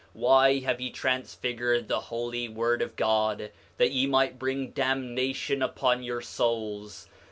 Why have ye transfigured the holy word of God, that ye might bring damnation upon your souls?